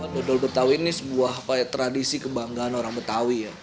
dodol betawi ini sebuah tradisi kebanggaan orang betawi ya